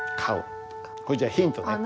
それじゃあヒントね。